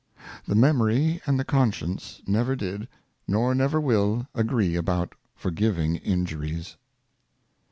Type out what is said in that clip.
The Memory and the Conscience never did, nor never will agree about forgiving Injuries.